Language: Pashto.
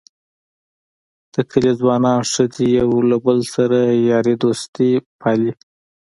د کلي ځوانان ښه دي یو له بل سره یارۍ دوستۍ پالي.